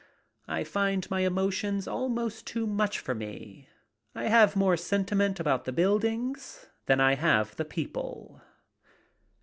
I find my emotions almost too much for me. I have more sentiment about the buildings than I have the people.